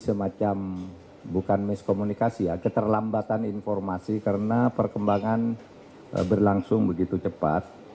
semacam bukan miskomunikasi ya keterlambatan informasi karena perkembangan berlangsung begitu cepat